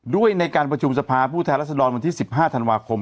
ด้วยในการประชุมสภาผู้แทนรัศดรวันที่๑๕ธันวาคม